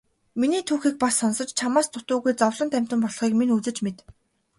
Миний түүхийг бас сонсож чамаас дутуугүй зовлонт амьтан болохыг минь үзэж мэд.